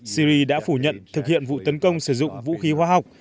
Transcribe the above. syri đã phủ nhận thực hiện vụ tấn công sử dụng vũ khí hóa học